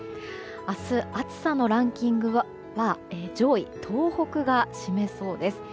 明日、暑さのランキングが上位東北が占めそうです。